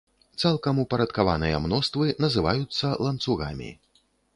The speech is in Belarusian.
Цалкам упарадкаваныя мноствы называюцца ланцугамі.